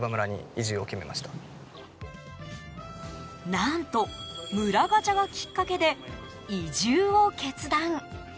何と、村ガチャがきっかけで移住を決断。